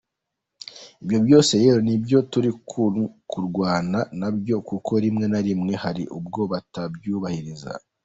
Ibyo byose rero nibyo turi kurwana nabyo, kuko rimwe na rimwe hari ubwo batabyubahiriza”.